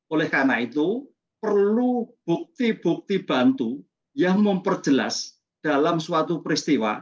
oleh karena itu perlu bukti bukti bantu yang memperjelas dalam suatu peristiwa